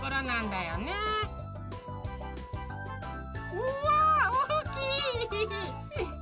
うわおおきい！